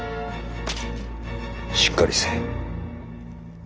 しっかりせい。